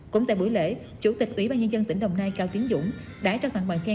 cũng tại buổi lễ chủ tịch ủy ban nhân dân tỉnh đồng nai cao tiến dũng đã trao tặng bàn khen